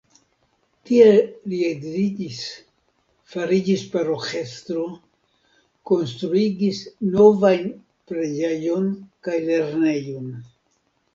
Tie li edziĝis, fariĝis paroĥestro, konstruigis novajn preĝejon kaj lernejon.